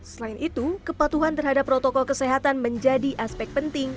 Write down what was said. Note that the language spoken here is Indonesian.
selain itu kepatuhan terhadap protokol kesehatan menjadi aspek penting